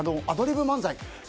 アドリブ漫才